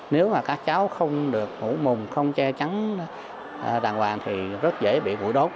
nếu mà các cháu không được ngủ mùng không che chắn đàng hoàng thì rất dễ bị bụi đốt